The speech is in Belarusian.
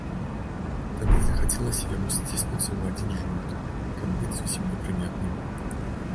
Тады захацелася яму сціснуцца ў адзін жмут, каб быць зусім непрыметным.